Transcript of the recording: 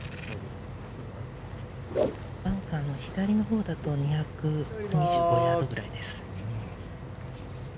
バンカーの左のほうだと２２５ヤードくらいです。